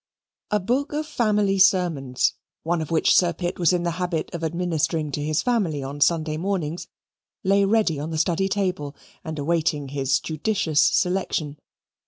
A book of family sermons, one of which Sir Pitt was in the habit of administering to his family on Sunday mornings, lay ready on the study table, and awaiting his judicious selection.